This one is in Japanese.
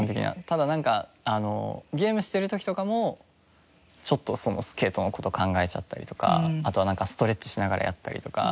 ただなんかゲームしてる時とかもちょっとスケートの事考えちゃったりとかあとはなんかストレッチしながらやったりとか。